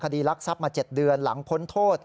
คดีลักษับมา๗เดือนหลังพ้นโทษ